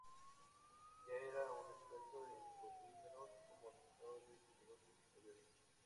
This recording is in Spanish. Ya era un experto en polímeros como resultado de sus negocios anteriores.